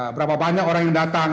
berapa banyak orang yang datang